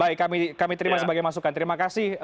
baik kami terima sebagai masukan terima kasih